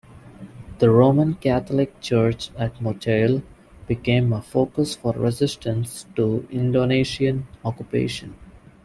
The Roman Catholic Church at Motael became a focus for resistance to Indonesian occupation.